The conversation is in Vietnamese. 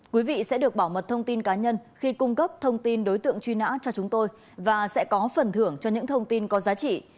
quý vị sẽ được bảo mật thông tin cá nhân khi cung cấp thông tin đối tượng truy nã cho chúng tôi và sẽ có phần thưởng cho những thông tin có giá trị